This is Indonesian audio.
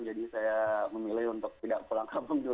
jadi saya memilih untuk tidak pulang kampung dulu